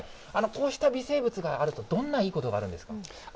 こうした微生物があると、どんないいことがあるんですか？